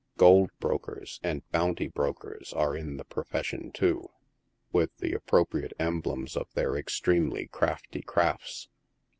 Gold brokers and bounty bro kers are in the procession, too, with the appropriate emblems of their extremely crafty crafts.